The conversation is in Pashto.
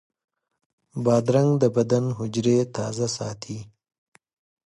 بادرنګ د بدن حجرې تازه ساتي.